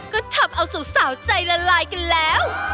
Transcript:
ก็ทำเอาสาวใจละลายกันแล้ว